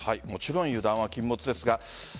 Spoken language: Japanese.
もちろん油断は禁物ですが。